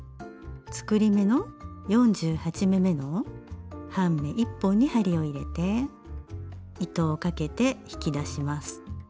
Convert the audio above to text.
作り目の４８目めの半目１本に針を入れて糸をかけて引き出します。